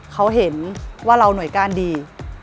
เขาเห็นว่าเราหน่วยก้านดี